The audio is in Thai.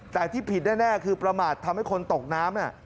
แต่ที่ผิดแน่คือประมาททำให้คนตกน้ำ